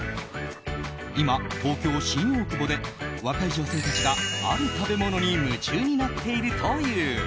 今、東京・新大久保で若い女性たちがある食べ物に夢中になっているという。